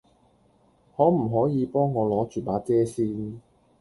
可唔可以幫我攞著把遮先